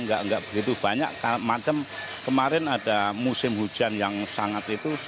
nggak begitu banyak macam kemarin ada musim hujan yang sangat itu